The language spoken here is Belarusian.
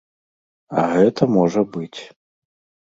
А гэта можа быць.